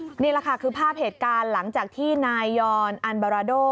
นี่แหละค่ะคือภาพเหตุการณ์หลังจากที่นายยอนอันบาราโด